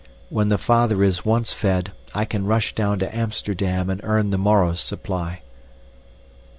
When the father is once fed, I can rush down to Amsterdam and earn the morrow's supply."